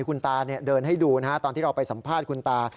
คุณตาเดินให้ดูนะฮะตอนที่เราไปสัมภาษณ์คุณตา